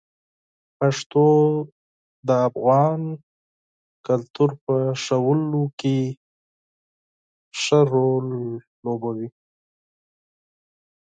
پښتو د افغان کلتور په ښودلو کې مهم رول لوبوي.